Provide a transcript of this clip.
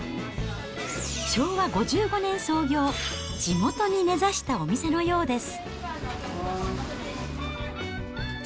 昭和５５年創業、地元に根ざしたお店のようです。